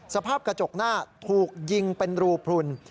สภาพกระจกหน้าถูกยิงเป็นรูพลุน